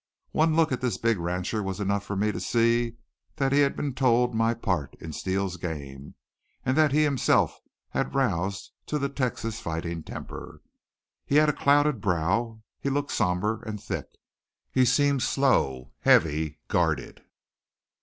One look at this big rancher was enough for me to see that he had been told my part in Steele's game, and that he himself had roused to the Texas fighting temper. He had a clouded brow. He looked somber and thick. He seemed slow, heavy, guarded.